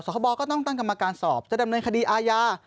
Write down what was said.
คบก็ต้องตั้งกรรมการสอบจะดำเนินคดีอาญา